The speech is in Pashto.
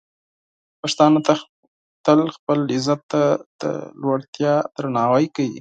پښتانه تل خپل عزت ته د لوړتیا درناوی کوي.